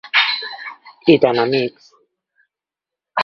I tan amics.